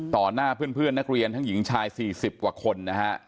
ต่อหน้าเพื่อนเพื่อนนักเรียนทั้งหญิงชายสี่สิบกว่าคนนะฮะ